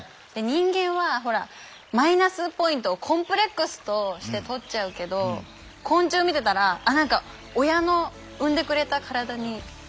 人間はマイナスポイントをコンプレックスとして取っちゃうけど昆虫見てたらなんかそうですよ！